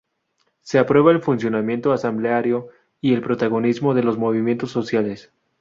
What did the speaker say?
Se aprueba el funcionamiento asambleario y el protagonismo de los movimientos sociales.